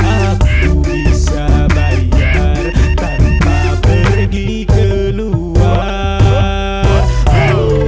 aku bisa bayar tanpa pergi keluar